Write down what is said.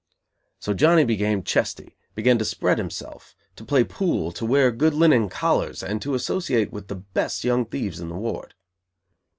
So Johnny became "chesty", began to "spread" himself, to play pool, to wear good linen collars and to associate with the best young thieves in the ward.